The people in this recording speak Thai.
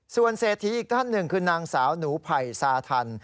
ส่วนเศรษฐีอีกท่านหนึ่งคือนางสาวหนูไผ่ซาทัน